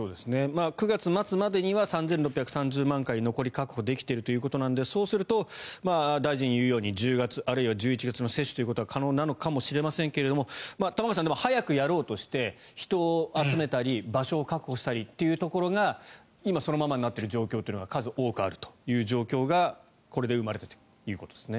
９月末までに３６３０万回残り、確保できているということなのでそうすると大臣が言うように１０月、あるいは１１月の接種は可能なのかもしれませんが玉川さん、でも早くやろうとして人を集めたり場所を確保したりというところが今、そのままになっているところが数多くあるという状況がこれで生まれているということですね。